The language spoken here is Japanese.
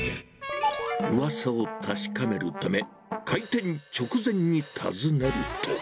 うわさを確かめるため、開店直前に訪ねると。